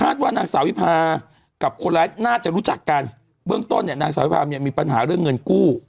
ว่านางสาววิพากับคนร้ายน่าจะรู้จักกันเบื้องต้นเนี่ยนางสาววิพาเนี่ยมีปัญหาเรื่องเงินกู้